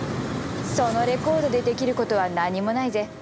「そのレコードでできることは何もないぜ。